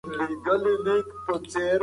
هر نیم ساعت کې څو دقیقې حرکت کافي دی.